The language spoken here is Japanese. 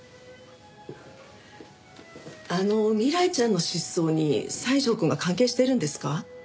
あの未来ちゃんの失踪に西條くんが関係してるんですか？